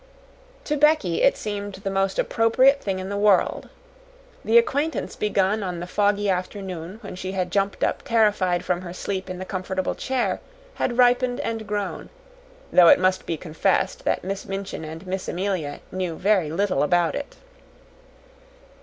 To Becky it seemed the most appropriate thing in the world. The acquaintance begun on the foggy afternoon when she had jumped up terrified from her sleep in the comfortable chair, had ripened and grown, though it must be confessed that Miss Minchin and Miss Amelia knew very little about it.